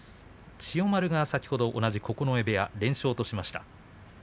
千代丸が先ほど、九重部屋連勝としました。